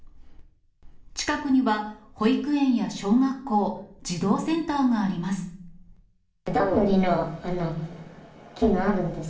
近くには保育園や小学校、児童センターがあります。